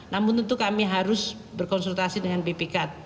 namun tentu kami harus berkonsultasi dengan bpk